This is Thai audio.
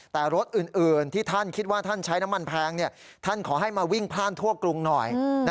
แต่รถอื่นที่ท่านคิดว่าท่านใช้น้ำมันแพงท่านขอให้มาวิ่งพลาดทั่วกรุงหน่อย